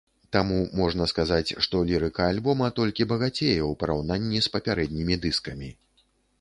Таму можна сказаць, што лірыка альбома толькі багацее ў параўнанні з папярэднімі дыскамі.